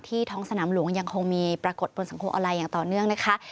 ท้องสนามหลวงยังคงมีปรากฏบนสังคมออนไลน์อย่างต่อเนื่องนะคะ